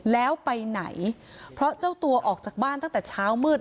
แล้วไปไหนเพราะเจ้าตัวออกจากบ้านตั้งแต่เช้ามืด